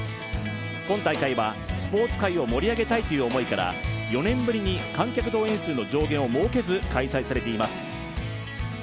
今大会はスポーツ界を盛り上げたいという思いから４年ぶりに観客動員数の上限を設けず開催されています。